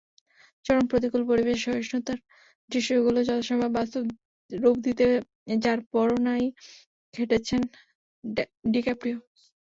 চরম প্রতিকূল পরিবেশে সহিষ্ণুতার দৃশ্যগুলোকে যথাসম্ভব বাস্তব রূপ দিতে যারপরনাই খেটেছেন ডিক্যাপ্রিও।